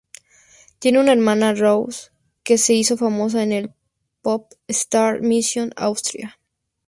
Tiene una hermana Rose que se hizo famosa en el Popstars Mission Austria.